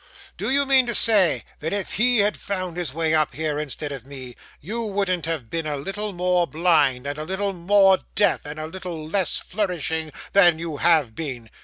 Do you mean to say that if he had found his way up here instead of me, you wouldn't have been a little more blind, and a little more deaf, and a little less flourishing, than you have been?